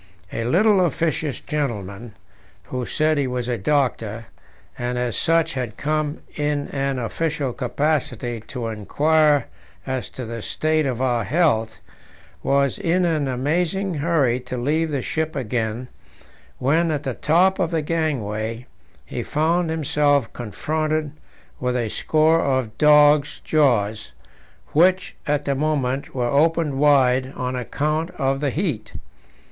A little officious gentleman, who said he was a doctor, and as such had come in an official capacity to inquire as to the state of our health, was in an amazing hurry to leave the ship again when, at the top of the gangway, he found himself confronted with a score of dogs' jaws, which at the moment were opened wide on account of the heat.